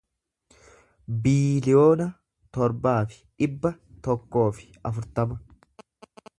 biiliyoona torbaa fi dhibba tokkoo fi afurtama